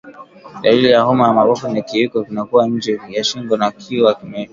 Dalili ya homa ya mapafu ni kiwiko kinakuwa nje kichwa na shingo vikiwa vimenyooshwa